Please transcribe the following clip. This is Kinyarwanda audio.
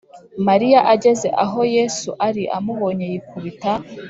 Mariya ageze aho Yesu ari amubonye yikubita